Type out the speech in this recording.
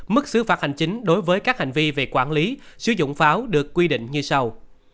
mức xứ phạt hành chính đối với các hành vi về quản lý sử dụng pháo được quy định như sau